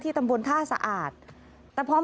มีเกือบไปชนิดนึงนะครับ